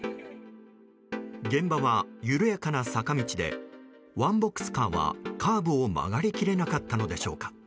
現場は緩やかな坂道でワンボックスカーはカーブを曲がり切れなかったのでしょうか。